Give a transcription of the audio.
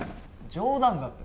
冗談だって。